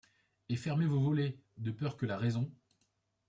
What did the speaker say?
Et fermez vos volets, de peur que la raison